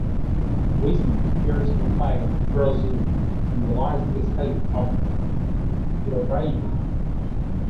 Wezen appears on the flag of Brazil, symbolising the state of Roraima.